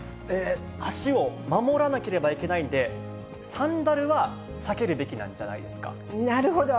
足を守らなきゃいけないんで、サンダルは避けるべきなんじゃななるほど。